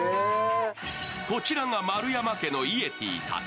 こちらが丸山家のイエティたち。